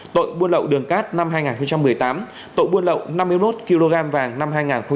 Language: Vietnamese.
tội buôn lậu đường cát năm hai nghìn một mươi tám tội buôn lậu năm miếu nốt kg vàng năm hai nghìn hai mươi